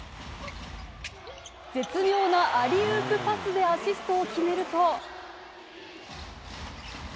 絶妙なアリウープパスでアシストを決めると。